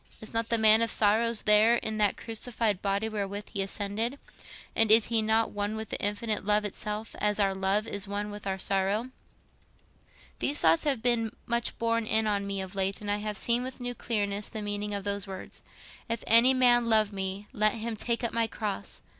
Is not the Man of Sorrows there in that crucified body wherewith he ascended? And is He not one with the Infinite Love itself—as our love is one with our sorrow? "These thoughts have been much borne in on me of late, and I have seen with new clearness the meaning of those words, 'If any man love me, let him take up my cross.